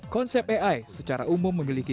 konsep ai secara umum memiliki